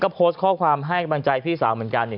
โพสต์ข้อความให้กำลังใจพี่สาวเหมือนกัน